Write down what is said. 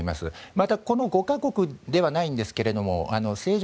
またこの５か国ではないんですが政情